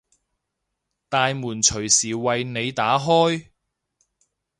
大門隨時為你打開